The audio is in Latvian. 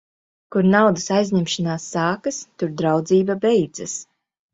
Kur naudas aizņemšanās sākas, tur draudzība beidzas.